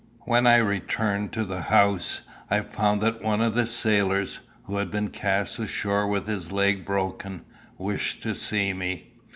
When I returned to the house, I found that one of the sailors, who had been cast ashore with his leg broken, wished to see me.